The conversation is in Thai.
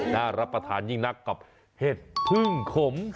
น่ารับประทานยิ่งนักกับเห็ดพึ่งขม